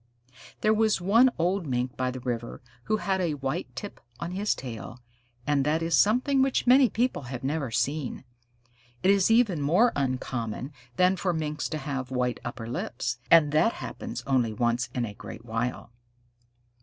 There was one old Mink by the river who had a white tip on his tail, and that is something which many people have never seen. It is even more uncommon than for Minks to have white upper lips, and that happens only once in a great while.